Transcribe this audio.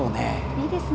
いいですね。